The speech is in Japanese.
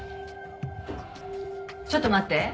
ちょっと待って。